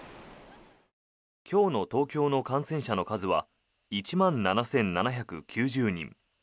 今日の東京の感染者の数は１万７７９０人。